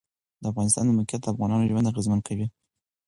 د افغانستان د موقعیت د افغانانو ژوند اغېزمن کوي.